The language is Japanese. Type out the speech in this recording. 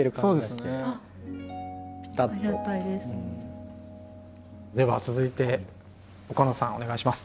では続いて岡野さんお願いします。